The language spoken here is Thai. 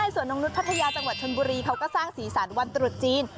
ส่วนนกนุษย์พัทยาจังหวัดชนบุรีเขาก็สร้างสีสันวันตรุษจีน